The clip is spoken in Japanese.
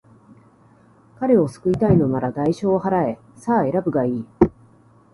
彼を救いたいのなら、代償を払え。さあ、選ぶがいい。